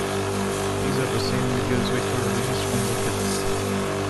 These are the same videos which were released on the "Hits!